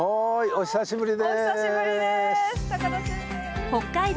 お久しぶりです。